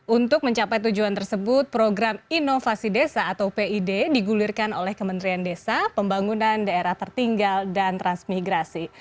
untuk mencapai tujuan tersebut program inovasi desa atau pid digulirkan oleh kementerian desa pembangunan daerah tertinggal dan transmigrasi